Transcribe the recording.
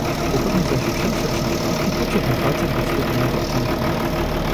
"Pułkownik zaś wziął sierżanta i podszedł na palcach do oświetlonego okienka."